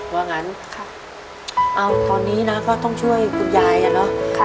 ว่างั้นเอาตอนนี้นะก็ต้องช่วยคุณยายอ่ะเนอะ